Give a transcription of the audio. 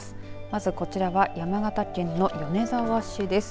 まず、こちらは山形県の米沢市です。